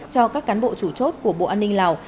cho các cán bộ chủ chốt của bộ an ninh lào